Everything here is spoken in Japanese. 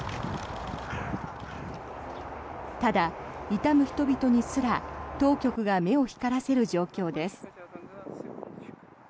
ただ、悼む人々にすら当局が目を光らせる状況です。